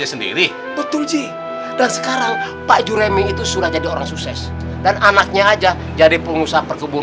sendiri betul ji dan sekarang pak juremi itu sudah jadi orang sukses dan anaknya aja jadi pengusaha perkebun